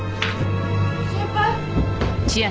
先輩？